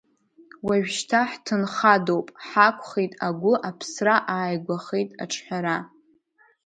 Уажәшьҭа хҭынхадоуп, ҳақәхеит агәы аԥсра ааигәахеит аҿҳәара.